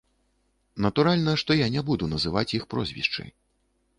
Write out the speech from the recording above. Натуральна, што я не буду называць іх прозвішчы.